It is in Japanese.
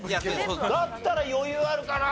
だったら余裕あるかな。